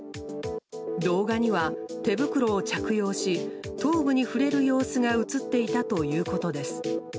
動画には手袋を着用し頭部に触れる様子が映っていたということです。